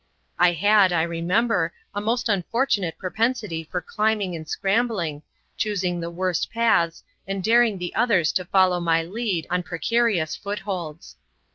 I had, I remember, a most unfortunate propensity for climbing and scrambling, choosing the worst paths, and daring the others to follow my lead on precarious footholds.